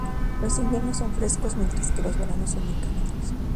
Los inviernos son frescos, mientras que los veranos son muy cálidos.